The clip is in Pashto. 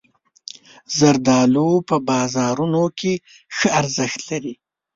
زردالو په بازارونو کې ښه ارزښت لري.